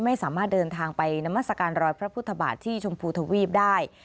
ไม่สามารถเดินทางไปนามัศกาลรอยพระพุทธบาทที่ชมพูทวีปได้